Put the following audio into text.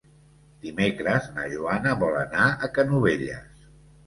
Dimecres na Joana vol anar a Canovelles.